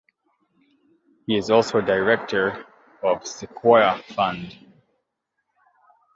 He is also a director of Sequoia Fund.